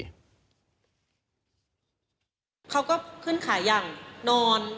เขาก็ขึ้นขายอย่างนอน